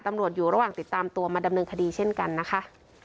ตำรวจอยู่ระหว่างติดตามตัวมาดำเนินคดีเช่นกันนะคะ